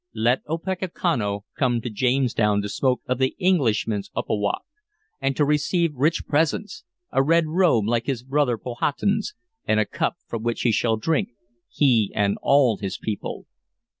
Let Opechancanough come to Jamestown to smoke of the Englishman's uppowoc, and to receive rich presents, a red robe like his brother Powhatan's, and a cup from which he shall drink, he and all his people."